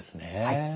はい。